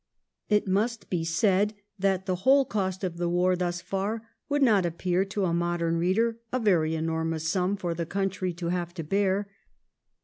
97 It must be said that the whole cost of the war thus far would not appear to a modern reader a very enormous sum for the country to have to bear.